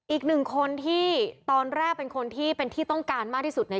อีกหนึ่งคนที่ตอนแรกเป็นคนที่เป็นที่ต้องการมากที่สุดใน